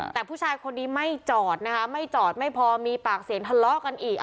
แต่ผู้ชายคนนี้ไม่จอดนะคะไม่จอดไม่พอมีปากเสียงทะเลาะกันอีก